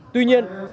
tuy nhiên cụ trưởng